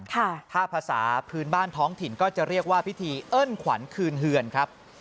ถ้าภาษาพื้นบ้านท้องถิ่นก็จะเรียกว่าพิธีเอิ้นขวัญคืนเฮือนครับ